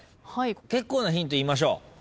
結構なヒント言いましょう。